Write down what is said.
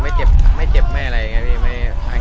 วันนี้เราจะมาจอดรถที่แรงละเห็นเป็น